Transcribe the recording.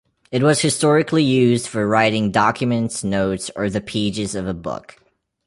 It was historically used for writing documents, notes, or the pages of a book.